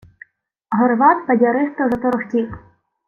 Горват бадьористо заторохтів: